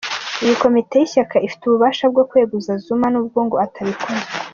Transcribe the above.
Iyi Komite y’ishyaka ifite ububasha bwo kweguza Zuma, nubwo ngo atabikozwa.